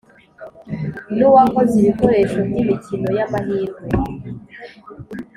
N uwakoze ibikoresho by imikino y amahirwe